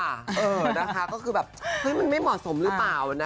เออนะคะก็คือแบบเฮ้ยมันไม่เหมาะสมหรือเปล่านะ